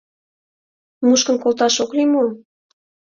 — Мушкын колташ ок лий мо?